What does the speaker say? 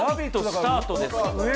スタートです